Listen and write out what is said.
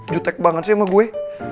jutek banget sih sama gue